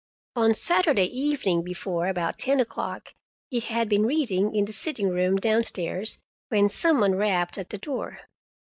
On Saturday evening before, about ten o'clock, he had been reading in the sitting room down stairs, when some one rapped at the door.